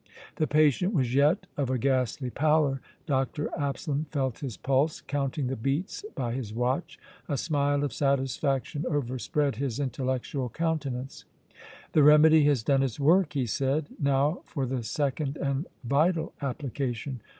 The patient was yet of a ghastly pallor. Dr. Absalom felt his pulse, counting the beats by his watch. A smile of satisfaction overspread his intellectual countenance. "The remedy has done its work!" he said. "Now for the second and vital application!